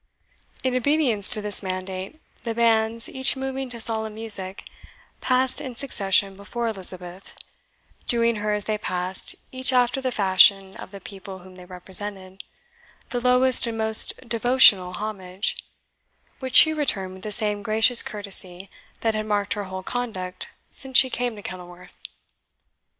In obedience to this mandate, the bands, each moving to solemn music, passed in succession before Elizabeth, doing her, as they passed, each after the fashion of the people whom they represented, the lowest and most devotional homage, which she returned with the same gracious courtesy that had marked her whole conduct since she came to Kenilworth.